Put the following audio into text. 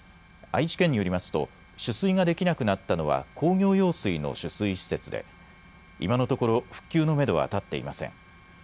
愛知県によりますと取水ができなくなったのは工業用水の取水施設で今のところ復旧のめどは立っていません。